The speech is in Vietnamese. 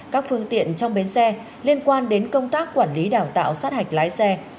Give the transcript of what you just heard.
các phương tiện trong bến xe liên quan đến công tác quản lý đào tạo sát hạch lái xe